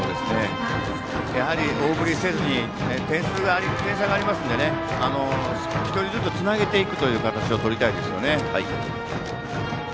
やはり大振りをせずに点数差がありますので１人ずつ、つなげていくという形をとりたいですね。